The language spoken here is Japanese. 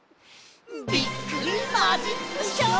びっくりマジックショー！